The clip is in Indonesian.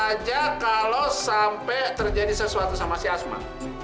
bisa saja kalau sampai terjadi sesuatu sama si asma